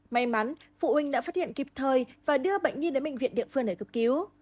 may mắn phụ huynh đã phát hiện kịp thời và đưa bệnh nhi đến bệnh viện địa phương để cấp cứu